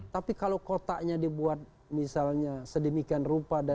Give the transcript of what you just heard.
tapi kalau kotaknya dibuat misalnya sedemikian rupa